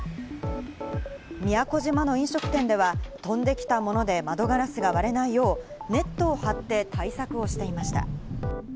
宮古島の飲食店では飛んできたもので、窓ガラスが割れないよう、ネットを張って対策をしていました。